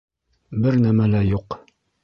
Бер нәмә лә юҡ!